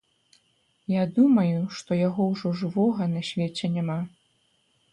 Я думаю, што яго ўжо жывога на свеце няма.